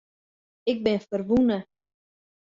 Ik bin ferwûne.